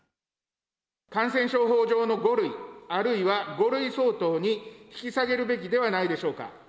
感染症法上の５類、あるいは５類相当に引き下げるべきではないでしょうか。